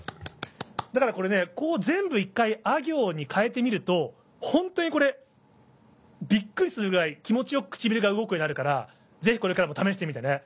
だからこれね全部１回あ行に変えてみるとホントにこれびっくりするぐらい気持ち良く唇が動くようになるからぜひこれからも試してみてね。